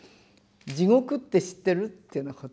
地獄って知ってる？っていうようなこと。